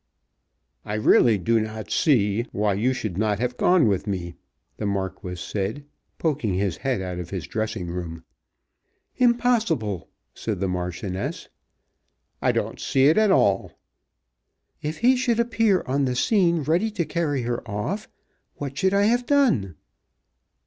"I really do not see why you should not have gone without me," the Marquis said, poking his head out of his dressing room. "Impossible," said the Marchioness. "I don't see it at all." "If he should appear on the scene ready to carry her off, what should I have done?"